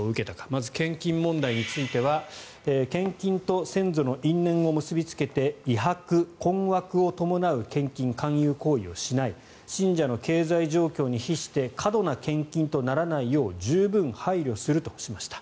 まず献金問題については献金と先祖の因縁を結びつけて威迫・困惑を伴う献金・勧誘行為をしない信者の経済状況に比して過度な献金とならないよう十分配慮するとしました。